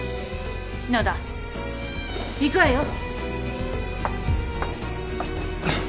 篠田行くわよ。